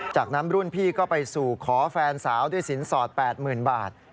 จากนั้นรุ่นพี่ก็ไปสู่ขอแฟนสาวด้วยสินสอด๘๐๐๐บาท